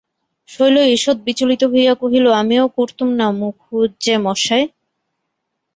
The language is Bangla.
শৈল ঈষৎ বিচলিত হইয়া কহিল, আমিও করতুম না মুখুজ্যেমশায়।